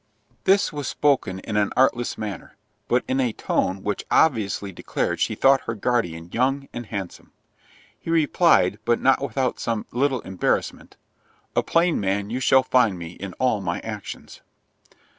This was spoken in an artless manner, but in a tone which obviously declared she thought her guardian young and handsome. He replied, but not without some little embarrassment, "A plain man you shall find me in all my actions."